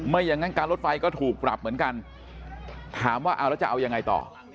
อย่างนั้นการรถไฟก็ถูกปรับเหมือนกันถามว่าเอาแล้วจะเอายังไงต่อ